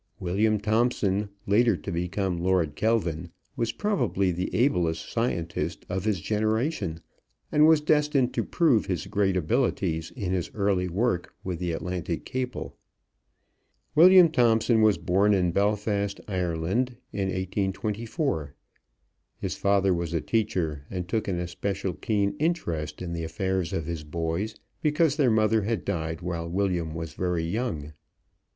William Thomson, later to become Lord Kelvin, was probably the ablest scientist of his generation, and was destined to prove his great abilities in his early work with the Atlantic cable. William Thomson was born in Belfast, Ireland, in 1824. His father was a teacher and took an especially keen interest in the affairs of his boys because their mother had died while William was very young.